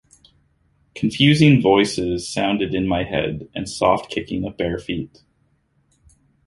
Confusing voices sounded in my head, and soft kicking of bare feet